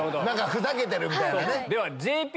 ふざけてるみたいなね。